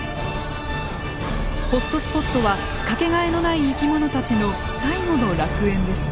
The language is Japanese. ホットスポットは掛けがえのない生き物たちの最後の楽園です